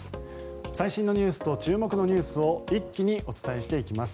最新ニュースと注目ニュースを一気にお伝えします。